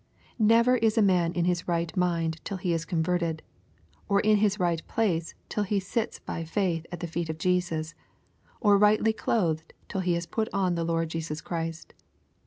Never is a man in his right mind till he is converted, or in his right place till he sits by faith at the feet of Jesus, or rightly clothed till he has put on the Lord Jesus Christ.